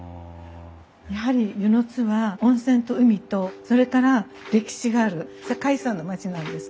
やはり温泉津は温泉と海とそれから歴史がある世界遺産の町なんですね。